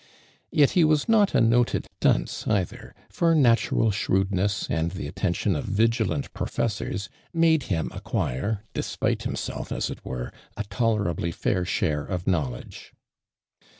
Yet lie was not a noted dunce either, for natural shiewdness, an i ihe attention of vigilant professors, made him acquire, desjiite himself as it were, a tolerably fair share of knowledge.